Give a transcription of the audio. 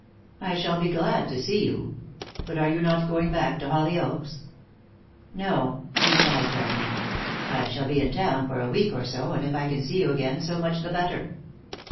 "I shall be glad to see you. But are you not going back to Hollyoaks? "No," replied Geoffrey. "I shall be in town for a week or so, and if I can see you again so much the better."